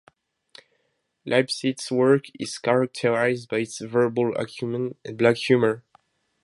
Lipsyte's work is characterized by its verbal acumen and black humor.